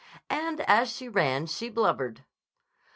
And as she ran she blubbered.